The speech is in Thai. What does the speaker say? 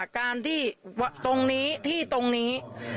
การที่ตรงนี้ที่ตรงนี้